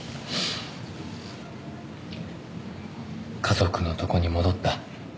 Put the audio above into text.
家族のとこに戻った。